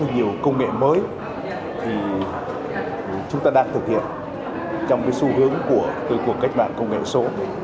nhiều công nghệ mới chúng ta đang thực hiện trong xu hướng của cách mạng công nghệ số